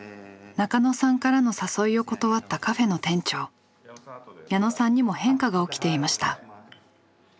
中野さんからの誘いを断ったカフェの店長矢野さんにも変化が起きていました。